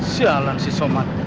sialan si somad